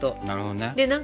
なるほどね。